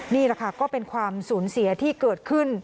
นี่แหละค่ะก็เป็นความสูญเสียที่เกิดขึ้น